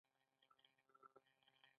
د تخار په چاه اب کې د مالګې لوی کان دی.